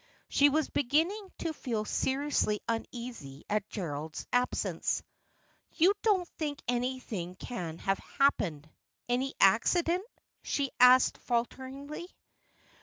She was beginning to feel seriously uneasy at Gerald's absence. ' You don't think anything can have happened — any acci dent ?' she asked falteringly.